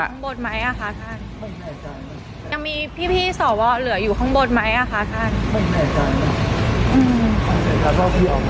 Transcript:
ยังมีพี่สวเหลืออยู่ข้างบนไหมอ่ะคะ